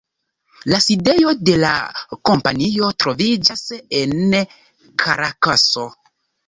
La sidejo de la kompanio troviĝas en Karakaso.